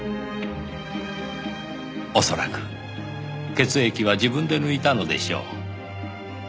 恐らく血液は自分で抜いたのでしょう。